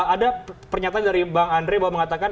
ada pernyataan dari bang andre bahwa mengatakan